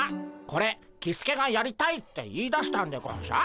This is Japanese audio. これキスケがやりたいって言いだしたんでゴンショ？